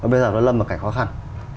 bây giờ nó lâm vào cảnh khó khăn